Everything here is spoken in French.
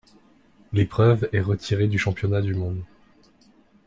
L'épreuve est retirée du championnat du monde.